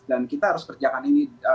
dan kita harus kerjakan ini